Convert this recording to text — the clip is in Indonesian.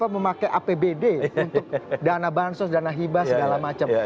memakai apbd untuk dana bansos dana hibah segala macam